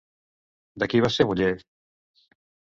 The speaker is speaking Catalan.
De qui va ser muller?